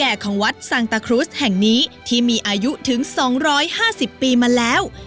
ของวัดสังตะครุสแห่งนี้ที่มีอายุถึง๒๕๐ปีมาแล้ว